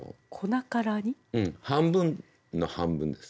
半分の半分です。